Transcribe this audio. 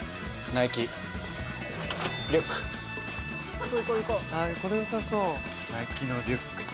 ナイキのリュックと。